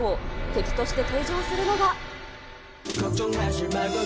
敵として登場するのが。